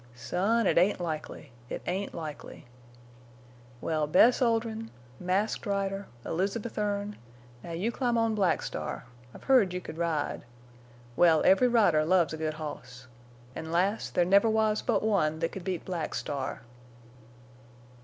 "Son, it ain't likely—it ain't likely. Well, Bess Oldrin'—Masked Rider—Elizabeth Erne—now you climb on Black Star. I've heard you could ride. Well, every rider loves a good horse. An', lass, there never was but one that could beat Black Star."